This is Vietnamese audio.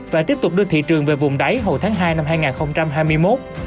và tiếp tục đưa thị trường về vùng đáy hầu tháng hai năm hai nghìn